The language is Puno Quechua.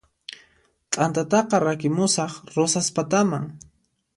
T'antataqa rakimusaq Rosaspataman